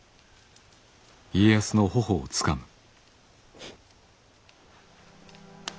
フッ。